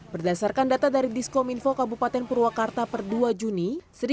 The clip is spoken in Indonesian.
berdasarkan data dari diskom info kabupaten purwakarta per dua juni